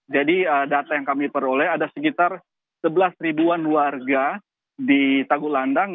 jadi data yang kami peroleh ada sekitar sebelas ribuan warga di tagulandang